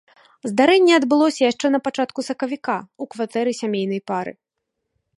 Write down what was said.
Здарэнне адбылося яшчэ на пачатку сакавіка ў кватэры сямейнай пары.